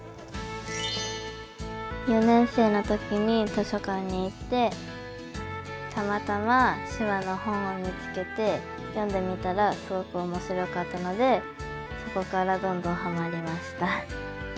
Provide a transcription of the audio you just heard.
４年生の時に図書館に行ってたまたま手話の本を見つけて読んでみたらすごく面白かったのでそこからどんどんはまりました。